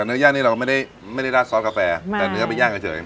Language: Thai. เนื้อย่างนี่เราไม่ได้ราดซอสกาแฟแต่เนื้อไปย่างเฉย